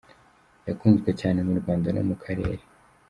yakunzwe cyane mu Rwanda no mu karere.